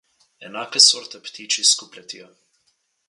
Enake sorte ptiči skup letijo.